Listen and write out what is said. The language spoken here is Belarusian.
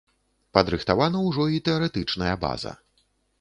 Падрыхтавана ўжо і тэарэтычная база.